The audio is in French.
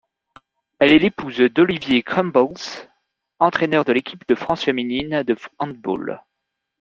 Elle est l'épouse d'Olivier Krumbholz, entraîneur de l'équipe de France féminine de handball.